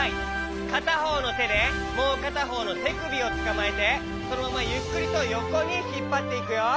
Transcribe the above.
かたほうのてでもうかたほうのてくびをつかまえてそのままゆっくりとよこにひっぱっていくよ。